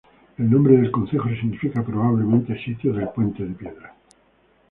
El nombre del concejo significa probablemente "sitio del puente de piedra".